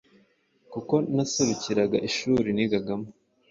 kuko naserukiraga ishuri nigagamo.